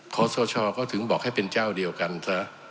ขอสชก็ถึงบอกให้เป็นเจ้าเดียวกันซะ